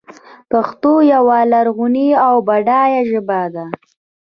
پښتو یوه لرغونې او بډایه ژبه ده.